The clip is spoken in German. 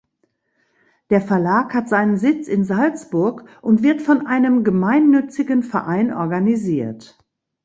Der Verlag hat seinen Sitz in Salzburg und wird von einem gemeinnützigen Verein organisiert.